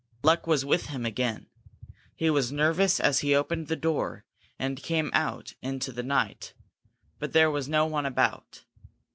Luck was with him again. He was nervous as he opened the door and came out into the night, but there was no one about.